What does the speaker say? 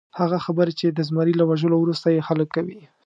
هغه خبرې چې د زمري له وژلو وروسته یې خلک کوي.